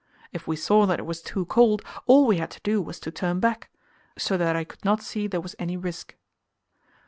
If we saw that it was too cold, all we had to do was to turn back; so that I could not see there was any risk.